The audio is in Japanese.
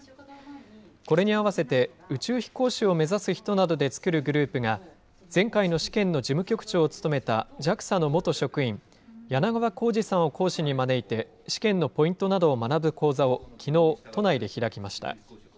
これに合わせて宇宙飛行士を目指す人などで作るグループが、前回の試験の事務局長を務めたＪＡＸＡの元職員、柳川孝二さんを講師に招いて、試験のポイントなどを学ぶ講座をきのう都内で開きました。